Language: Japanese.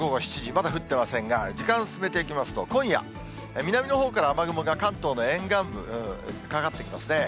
まだ降ってませんが、時間進めていきますと、今夜、南のほうから雨雲が関東の沿岸部、かかってきますね。